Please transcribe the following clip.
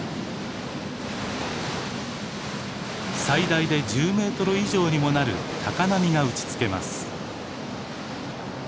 最大で１０メートル以上にもなる高波が打ちつけます。